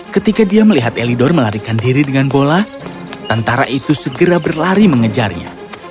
ketika dia melihat elidor melarikan diri dengan bola tentara itu segera berlari mengejarnya